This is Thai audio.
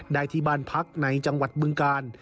ได้ที่บ้านพักในจังหวัดบึงกาล